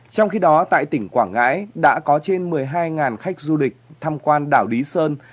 trong khi đó tại tỉnh quảng ngãi đã có trên một mươi hai khách du lịch tham quan đảo lý sơn